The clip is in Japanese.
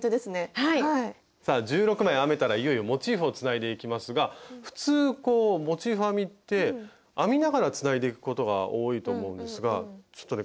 さあ１６枚編めたらいよいよモチーフをつないでいきますが普通モチーフ編みって編みながらつないでいくことが多いと思うんですがちょっとね